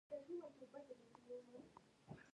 ازادي راډیو د د بیان آزادي په اړه د عبرت کیسې خبر کړي.